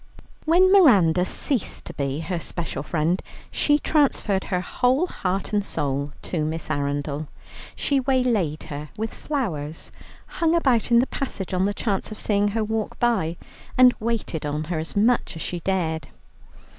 When Miranda ceased to be her special friend, she transferred her whole heart and soul to Miss Arundel. She waylaid her with flowers, hung about in the passage on the chance of seeing her walk by, and waited on her as much as she dared.